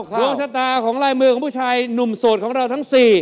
ดวงชะตาของลายมือของผู้ชายหนุ่มโสดของเราทั้ง๔